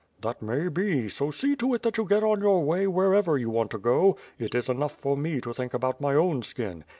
"That may be, so see to it that you get on your way wher ever you want to go. It is enough for me to think about my own skin."